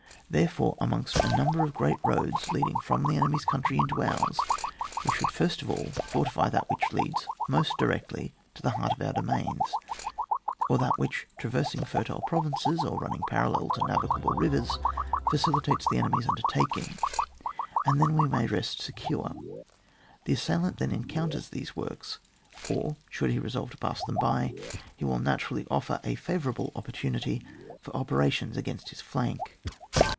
Therefore, amongst a number of g^at roads leading from the enemy's country into ours, we should first of all fortify that which leads most directly to the heart of our dominions, or that which, traversing fertile provinces, or running parallel to navigable rivers, facilitates the enemy's undertaking, and then we may rest secure. The assailant then encounters these works, or should he resolve to pass them by, he will naturally offer a favour able opportunity for operations against his flank.